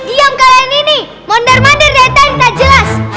diam kalian ini mondar mandar datang tak jelas